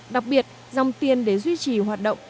đặc biệt dòng tiền để duy trì hoạt động